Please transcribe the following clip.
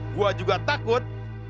gue juga takut